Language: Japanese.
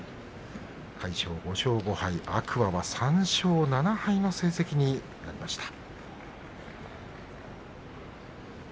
魁勝５勝５敗天空海３勝７敗という成績になりました。